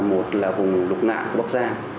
một là vùng lục ngạn của bắc giang